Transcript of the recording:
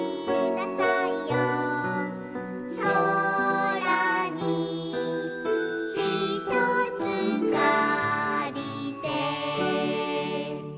「そらにひとつかりて」